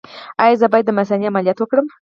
ایا زه باید د مثانې عملیات وکړم؟